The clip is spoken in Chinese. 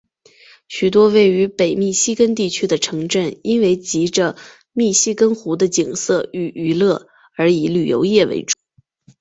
许多位于北密西根地区的城镇因为藉着密西根湖的景色与娱乐而以旅游业为主。